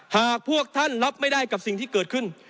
หากพวกท่านรับไม่ได้กับสิ่งที่เกิดขึ้น